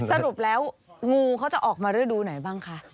สรุปแล้วงูเขาจะออกมาฤดูไหนบ้างคะ